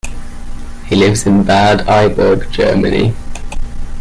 He lives in Bad Iburg, Germany.